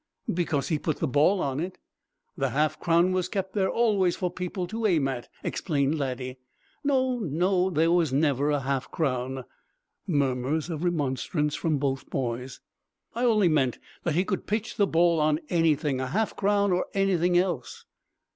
"Because he put the ball on it." "The half crown was kept there always for people to aim at," explained Laddie. "No, no, there never was a half crown." Murmurs of remonstrance from both boys. "I only meant that he could pitch the ball on anything a half crown or anything else."